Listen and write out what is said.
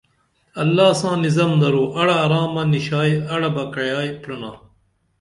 اللہ ساں نِظم درو اڑا ارامہ نِشائی اڑا بہ کعیائی پرِنا